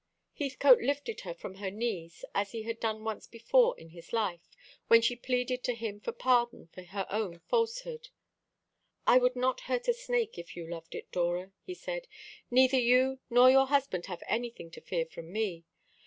Heathcote lifted her from her knees, as he had done once before in his life, when she pleaded to him for pardon for her own falsehood. "I would not hurt a snake if you loved it, Dora," he said. "Neither you nor your husband have anything to fear from me.